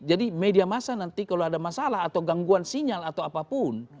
jadi media massa nanti kalau ada masalah atau gangguan sinyal atau apapun